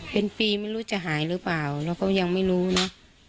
เป็นปีไม่รู้จะหายหรือเปล่าเราก็ยังไม่รู้นะ